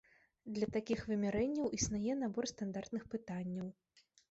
Для такіх вымярэнняў існуе набор стандартных пытанняў.